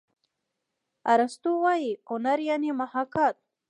ارستو وايي هنر یعني محاکات.